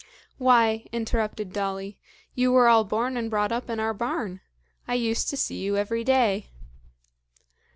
"Why," interrupted Dolly, "you were all born and brought up in our barn! I used to see you every day."